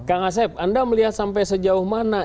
kang asep anda melihat sampai sejauh mana